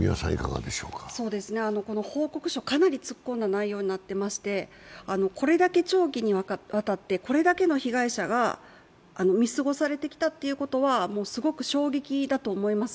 この報告書、かなり突っ込んだ内容になっておりましてこれだけ長期にわたってこれだけの被害者が見過ごされてきたということはすごく衝撃だと思います。